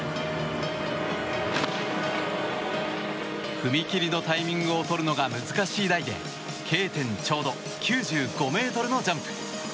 踏み切りのタイミングをとるのが難しい台でＫ点ちょうど９５ｍのジャンプ。